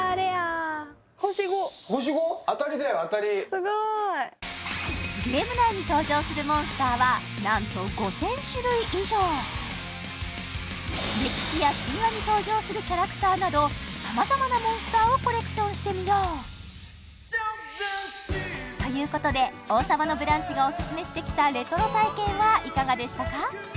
すごーいゲーム内に登場するモンスターは何と５０００種類以上歴史や神話に登場するキャラクターなどさまざまなモンスターをコレクションしてみようということで「王様のブランチ」がオススメしてきたレトロ体験はいかがでしたか？